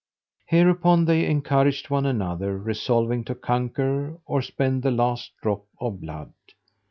Hereupon they encouraged one another, resolving to conquer, or spend the last drop of blood.